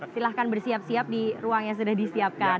silahkan bersiap siap di ruang yang sudah disiapkan